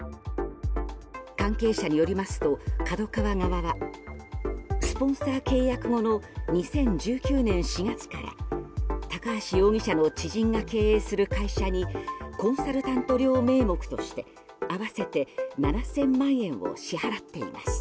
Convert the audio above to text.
関係者によりますとＫＡＤＯＫＡＷＡ側はスポンサー契約後の２０１９年４月から高橋容疑者の知人が経営する会社にコンサルタント料名目として合わせて７０００万円を支払っています。